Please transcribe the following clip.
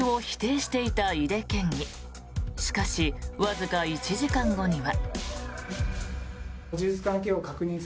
しかし、わずか１時間後には。